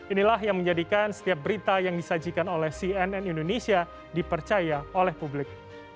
inilah yang menjadikan setiap berita yang disajikan oleh cnn indonesia dipercaya oleh publik